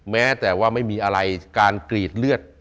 แม้แต่ว่าไม่มีอะไรการกรีดเลือด